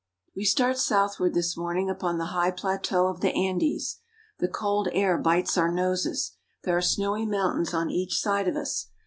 WE start southward this morning upon the high plateau of the Andes. The cold air bites our noses. There are snowy mountains on each side of us.